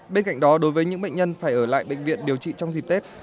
bên cạnh đó đối với những bệnh nhân phải ở lại bệnh viện điều trị trong dịp tết